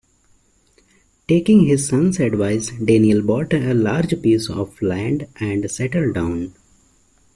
Taking his son's advice, Daniel bought a large piece of land and settled down.